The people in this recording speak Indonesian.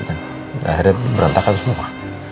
dan akhirnya berantakan semua